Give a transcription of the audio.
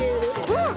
うん！